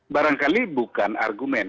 barangkali bukan argumen